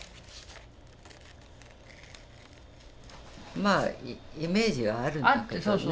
まあイメージがあるんだけどね。